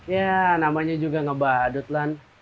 ya namanya juga ngebadut lan